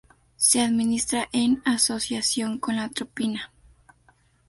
Se administra en asociación con la atropina.